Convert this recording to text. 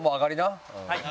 はい。